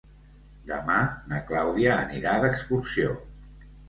Demà na Clàudia anirà d'excursió.